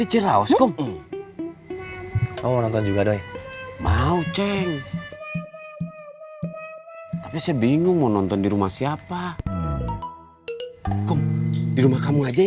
cucu jagain warung kopi aja